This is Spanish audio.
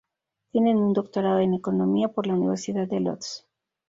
Tiene un Doctorado en Economía por la Universidad de Lodz.